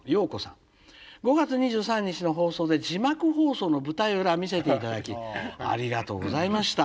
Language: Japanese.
「５月２３日の放送で字幕放送の舞台裏見せて頂きありがとうございました。